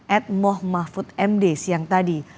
at mohmahfudmd siang tadi